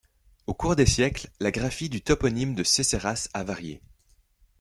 Au cours des siècles, la graphie du toponyme de Cesseras a varié.